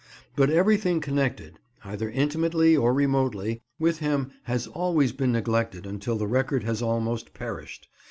But everything connected, either intimately or remotely, with him has always been neglected until the record has almost perished.